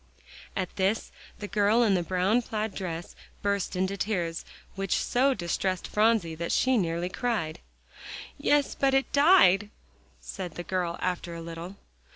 At this, the girl in the brown plaid dress burst into tears, which so distressed Phronsie that she nearly cried. "Yes, but it died," said the girl after a little.